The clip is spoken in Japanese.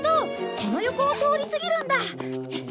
この横を通り過ぎるんだ。